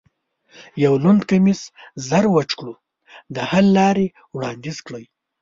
یو لوند کمیس زر وچ کړو، د حل لارې وړاندیز کړئ.